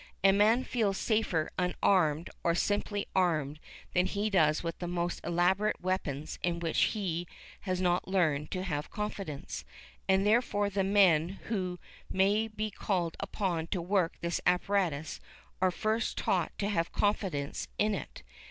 A man feels safer unarmed, or simply armed, than he does with the most elaborate weapons in which he has not learned to have confidence. And therefore the men who may be called upon to work this apparatus are first taught to have confidence in it.